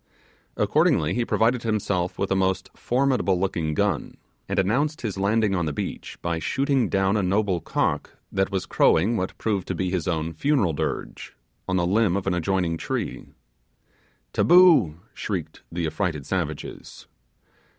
Accordingly, he provided himself with a most formidable looking gun, and announced his landing on the beach by shooting down a noble cock that was crowing what proved to be his own funeral dirge, on the limb of an adjoining tree. 'Taboo', shrieked the affrighted savages.